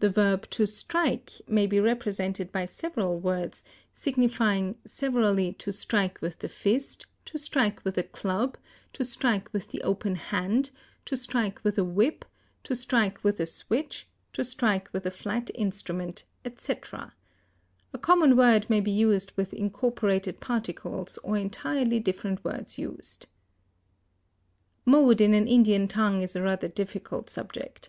The verb to strike may be represented by several words, signifying severally to strike with the fist, to strike with a club, to strike with the open hand, to strike with a whip, to strike with a switch, to strike with a flat instrument, etc. A common word may be used with incorporated particles or entirely different words used. Mode in an Indian tongue is a rather difficult subject.